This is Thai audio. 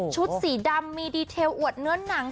สีดำมีดีเทลอวดเนื้อหนัง